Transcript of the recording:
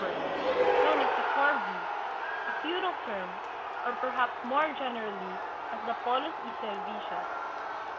works, known as the " corvee," a feudal term, or perhaps more generally as the " polos y servicios."